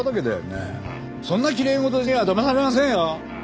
そんなきれい事にはだまされませんよ！